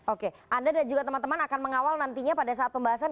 oke anda dan juga teman teman akan mengawal nantinya pada saat pembahasan